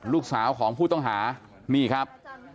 ลูกสาวของผู้ต้องหานี่ครับ